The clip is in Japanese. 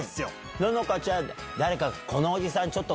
ののかちゃん。